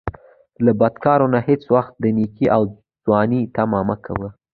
له بدکارو نه هیڅ وخت د نیکۍ او ځوانۍ طمعه مه کوه